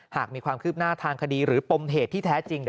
หากมีความคืบหน้าทางคดีหรือปมเหตุที่แท้จริง